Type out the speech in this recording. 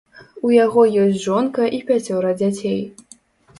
У яго ёсць жонка і пяцёра дзяцей.